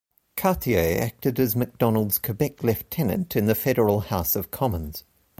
Cartier acted as Macdonald's Quebec lieutenant in the federal House of Commons.